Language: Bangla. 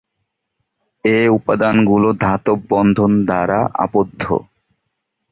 এ উপাদানগুলো ধাতব বন্ধন দ্বারা আবদ্ধ।